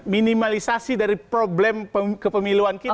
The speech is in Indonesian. minimalisasi dari problem kepemiluan kita